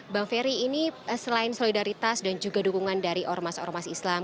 bang ferry ini selain solidaritas dan juga dukungan dari ormas ormas islam